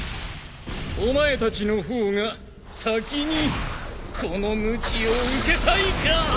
お前たちの方が先にこのむちを受けたいか！